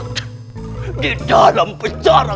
di dalam penjara